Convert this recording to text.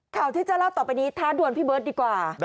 ข่าวที่จะเล่าต่อไปนี้ท้าดวนพี่เบิร์ตดีกว่า